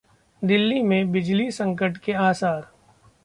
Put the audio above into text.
दिल्ली में बिजली संकट के आसार